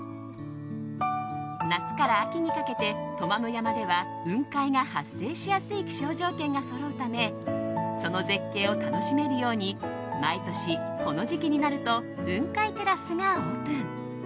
夏から秋にかけてトマム山では雲海が発生しやすい気象条件がそろうためその絶景を楽しめるように毎年この時期になると雲海テラスがオープン。